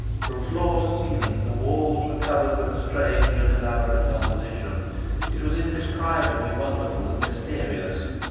From floor to ceiling the walls were covered with a strange and elaborate composition. It was indescribably wonderful and mysterious.